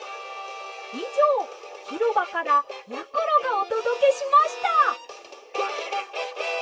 「いじょうひろばからやころがおとどけしました」。